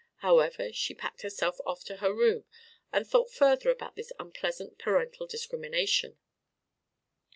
However she packed herself off to her room and thought further about this unpleasant parental discrimination.